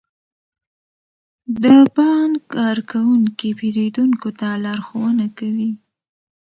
د بانک کارکونکي پیرودونکو ته لارښوونه کوي.